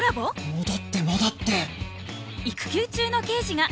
戻って戻って。